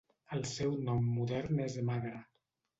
El seu nom modern és Magra.